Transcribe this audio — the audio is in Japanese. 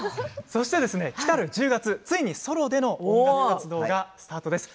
そして、来たる１０月ついに、ソロでの音楽活動がスタートです。